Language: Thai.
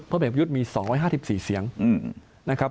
เด็กประยุทธ์มี๒๕๔เสียงนะครับ